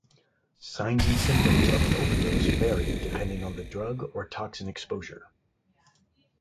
Signs and symptoms of an overdose vary depending on the drug or toxin exposure.